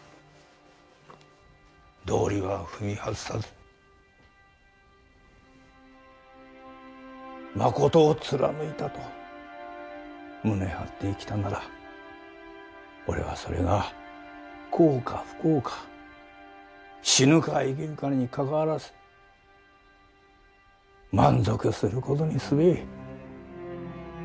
道理は踏み外さずまことを貫いたと胸張って生きたなら俺は、それが幸か不幸か死ぬか生きるかにかかわらず満足することにすべえ。